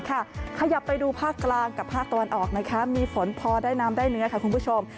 ขยับไปดูภาคกลางกับภาคตะวันออกนะคะมีฝนพอได้น้ำได้เนื้อค่ะคุณผู้ชม